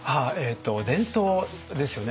伝統ですよね。